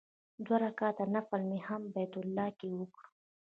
دوه رکعاته نفل مې هم په بیت الله کې وکړ.